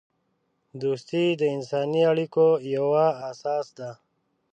دوستی د انسانی اړیکو یوه اساس ده.